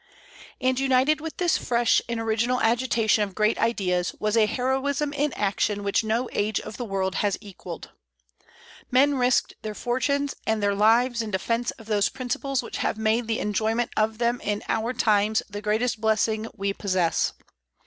And united with this fresh and original agitation of great ideas was a heroism in action which no age of the world has equalled. Men risked their fortunes and their lives in defence of those principles which have made the enjoyment of them in our times the greatest blessing we possess.